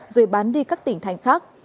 rồi bán đi các tỉnh thành khác